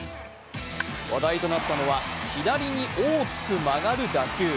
話題となったのは左に大きく曲がる打球。